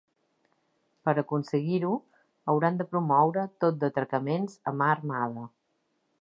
Per aconseguir-ho, hauran de promoure tot d’atracaments a mà armada.